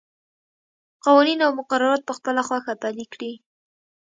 قوانین او مقررات په خپله خوښه پلي کړي.